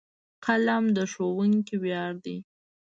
قلم د ښوونکي ویاړ دی.